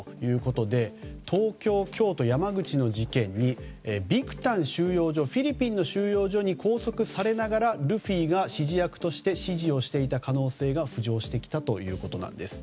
東京、京都、山口の事件にビクタン収容所フィリピンの収容所に拘束されながらルフィが指示役として指示をしていた可能性が浮上してきたということです。